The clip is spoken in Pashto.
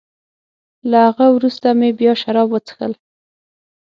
له هغه وروسته مې بیا شراب وڅېښل.